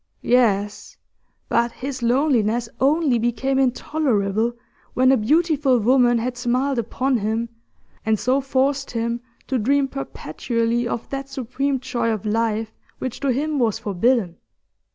Yes, but his loneliness only became intolerable when a beautiful woman had smiled upon him, and so forced him to dream perpetually of that supreme joy of life which to him was forbidden.